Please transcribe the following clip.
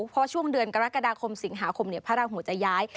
เพราะช่วงเดือนกรกฎาคมสิงหาคมพระราหูจะย้าย